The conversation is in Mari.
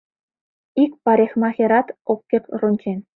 Ик парикмахерат ок керт рончен.